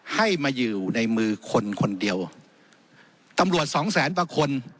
ให้มาอยู่ในมือคนคนเดียวตำรวจสองแสนกว่าคน